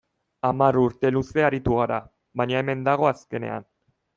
Hamar urte luze aritu g ara, baina hemen dago azkenean.